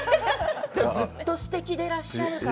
ずっとすてきでいらっしゃるから。